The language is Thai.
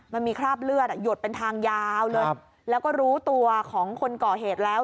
มันมีคราบเลือดหยดเป็นทางยาวเลยแล้วก็รู้ตัวของคนก่อเหตุแล้ว